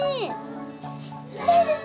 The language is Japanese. ちっちゃいですね。